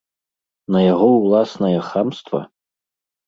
На яго ўласнае хамства?